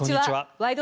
「ワイド！